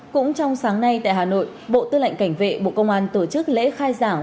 cũng trong sáng nay tại hà nội bộ tư lệnh cảnh vệ bộ công an tổ chức lễ khai giảng